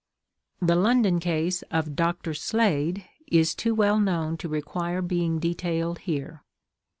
The London case of "Doctor" Slade, is too well known to require being detailed here.